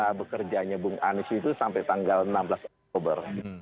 masa bekerjanya bung anies itu sampai tanggal enam belas oktober